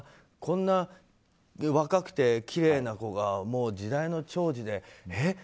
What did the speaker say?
こんな若くてきれいな子が時代の寵児でえ？